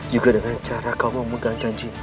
juga dengan cara kau memegang janji